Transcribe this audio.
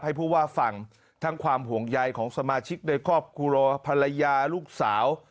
ผู้ว่าฟังทั้งความห่วงใยของสมาชิกในครอบครัวภรรยาลูกสาว